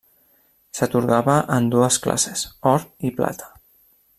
S'atorgava en dues classes, Or i Plata.